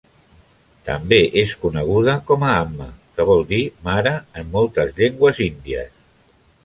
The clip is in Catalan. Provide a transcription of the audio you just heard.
També és coneguda com a "Amma", que vol dir "mare" en moltes llengües índies.